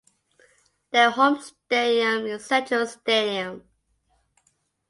Their home stadium is Central Stadium.